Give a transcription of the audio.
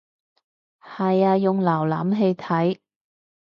係啊用瀏覽器睇